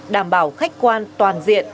đảm bảo khách quan toàn diện